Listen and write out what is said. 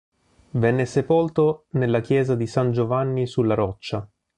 Venne sepolto nella chiesa di San Giovanni sulla Roccia.